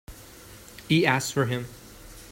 He asked for him.